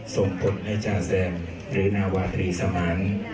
ส่งผลให้จาแซมหรือนาวาตรีสมาน